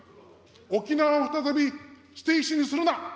沖縄を再び捨て石にするな。